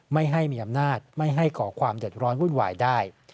ไม่ให้มีอำนาจไม่ให้ก่อความเดือดร้อนวุ่นวายได้